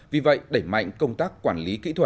vì vậy đẩy mạnh công tác quản lý kỹ thuật